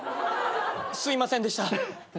すいませんでした。